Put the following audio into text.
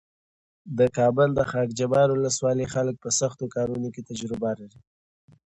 د کابل د خاکجبار ولسوالۍ خلک په سختو کارونو کې تجربه لري.